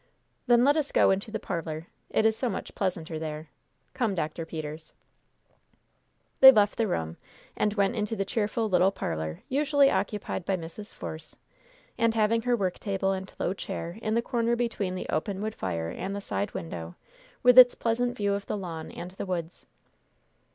"Then let us go into the parlor. It is so much pleasanter there. Come, Dr. Peters." They left the room, and went into the cheerful, little parlor, usually occupied by Mrs. Force, and having her worktable and low chair in the corner between the open wood fire and the side window, with its pleasant view of the lawn and the woods.